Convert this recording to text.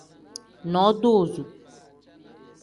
Nodoozo.